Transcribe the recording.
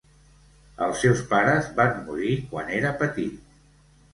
Els seus pares van morir quan era petit.